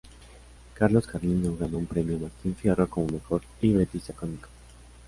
Carlos Carlino ganó un Premio Martín Fierro como mejor libretista cómico.